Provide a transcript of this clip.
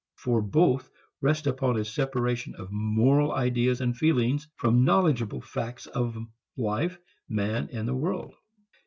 For both rest upon a separation of moral ideas and feelings from knowable facts of life, man and the world.